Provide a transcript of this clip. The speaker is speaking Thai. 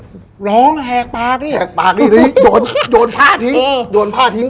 ร้องแหกปากดิแหกปากดิโยนโยนผ้าทิ้งเออโยนผ้าทิ้ง